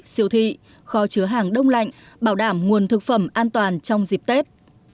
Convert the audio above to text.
siêu thị kho chứa hàng đông lạnh bảo đảm nguồn thực phẩm an toàn trong dịp tết